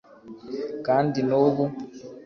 kandi ni ubu